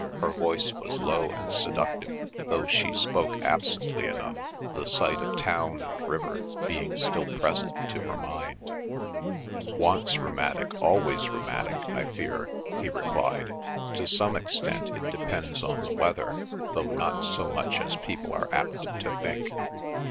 Her voice was low and seductive, though she spoke absently enough, the sight of town and river being still present to her mind. "Once rheumatic, always rheumatic, I fear," he replied. "To some extent it depends on the weather, though not so much as people are apt to think."